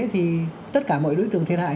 thì tất cả mọi đối tượng thiệt hại